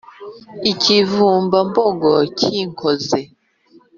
ikivumba-mbogo kinkoze